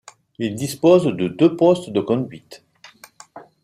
Il dispose de deux postes de conduite.